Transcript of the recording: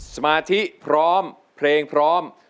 สมาธิพร้อมเพลงพร้อม